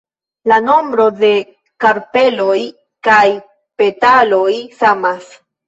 La nombro de karpeloj kaj petaloj samas.